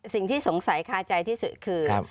สิ่งที่สงสัยคาใจที่สุดคือ